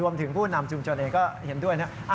รวมถึงผู้นำชุมชนเองก็เห็นด้วยนะครับ